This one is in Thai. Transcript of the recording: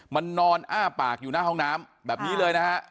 มันนอนอ้าปากอยู่หน้าห้องน้ำแบบนี้เลยนะฮะ